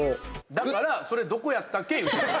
だから、それどこやったっけって言うてんねん。